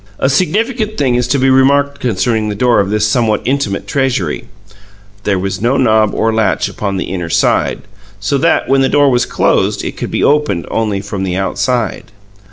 A significant thing is to be remarked concerning the door of this somewhat intimate treasury: there was no knob or latch upon the inner side, so that, when the door was closed, it could be opened only from the outside.